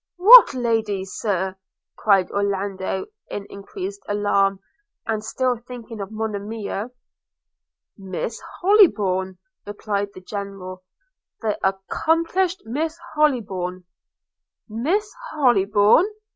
'What lady, Sir?' cried Orlando, in increased alarm, and still thinking of Monimia. 'Miss Hollybourn,' replied the General – 'the accomplished Miss Hollybourn.' 'Miss Hollybourn!'